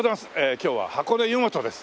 今日は箱根湯本です。